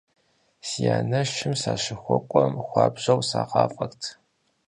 Си анэшым сащыхуэкӀуэм хуабжьэу сагъафӏэрт.